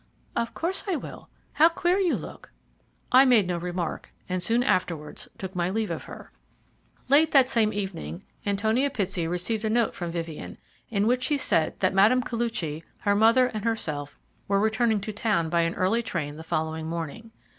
"Of course I will. How queer you look!" I made no remark, and soon afterwards took my leave of her. Late that same evening, Antonia Pitsey received a note from Vivien, in which she said that Mme. Koluchy, her mother, and herself were returning to town by an early train the following morning.